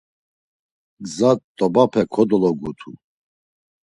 Gza t̆obape kodologutu.